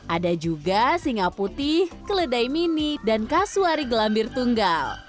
ada juga singa putih keledai mini dan kasuari gelambir tunggal